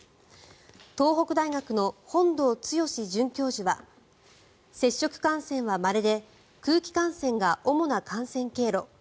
東北大学の本堂毅准教授は接触感染はまれで空気感染が主な感染経路。